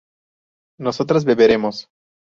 nosotras beberemos